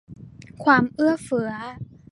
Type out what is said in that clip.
ความเอื้อเฟื้อ